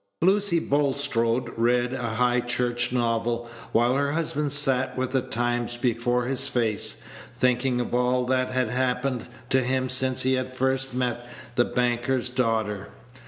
Lucy Bulstrode read a High Church novel, while her husband sat with the Times before his face, thinking of all that had happened to him since he had first met the banker's daughter.